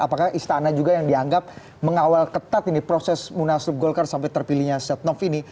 apakah istana juga yang dianggap mengawal ketat ini proses munaslup golkar sampai terpilihnya setnov ini